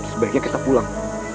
sebaiknya kita pulang